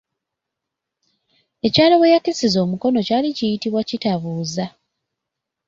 Ekyalo we yakisiza omukono kyali kiyitibwa Kitabuuza.